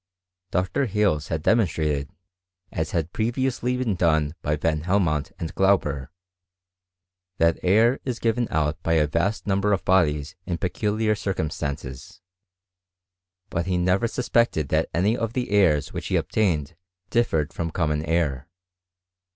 Dr. Hales had de monstrated (as had previously been done by Van Hel inont and Glauber) that air is given out by a vast number of bodies in peculiar circumstances. But he never suspected that any of the airs which he obtained differed from common air.